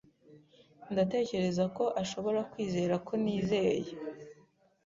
Ndatekereza ko ashobora kwizera ko nizeye